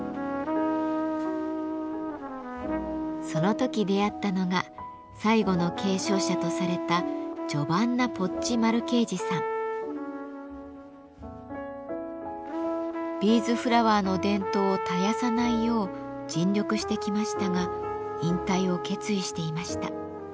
その時出会ったのが最後の継承者とされたビーズフラワーの伝統を絶やさないよう尽力してきましたが引退を決意していました。